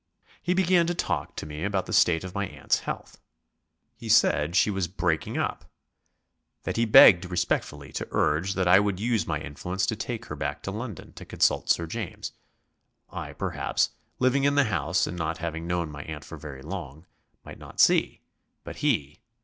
He began to talk to me about the state of my aunt's health. He said she was breaking up; that he begged respectfully to urge that I would use my influence to take her back to London to consult Sir James I, perhaps, living in the house and not having known my aunt for very long, might not see; but he